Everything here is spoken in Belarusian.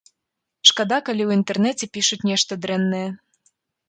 Шкада, калі ў інтэрнэце пішуць нешта дрэннае.